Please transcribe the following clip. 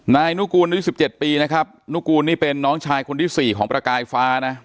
นายนุกูลอายุ๑๗ปีนะครับนุกูลนี่เป็นน้องชายคนที่๔ของประกายฟ้านะ